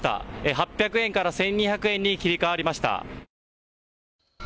８００円から１２００円に切り替わりました。